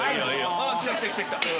あ来た来た来た。